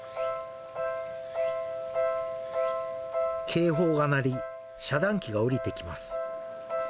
警報が鳴り、遮断機が下りてきます。